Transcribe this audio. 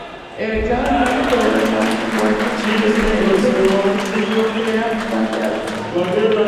El examen físico de las momias guanches de Tenerife descubrió que eran bastante altas.